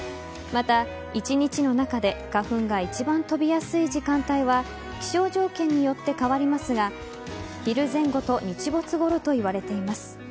また、一日の中で花粉が一番飛びやすい時間帯は気象条件によって変わりますが昼前後と日没ごろといわれています。